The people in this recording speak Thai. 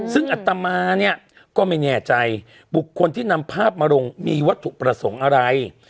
ซึ่งอัตมาเนี่ยก็ไม่แน่ใจบุคคลที่นำภาพมาลงมีวัตถุประสงค์อะไร